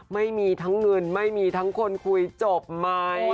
ไม่มีทั้งเงินไม่มีทั้งคนคุยจบไหม